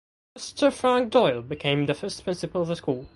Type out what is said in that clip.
Mr Frank Doyle became the first principal of the school.